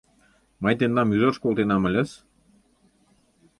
Мый тендам ӱжаш колтенам ыльыс...